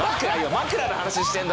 枕の話してんだろ。